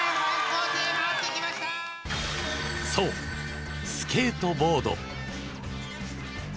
そう、スケートボード。